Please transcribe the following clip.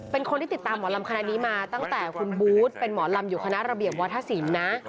เป็นคนที่ติดตามหมอลำคณะนี้มาตั้งแต่คุณบูธเป็นหมอลำอยู่คณะระเบียบวัฒนศิลป์นะ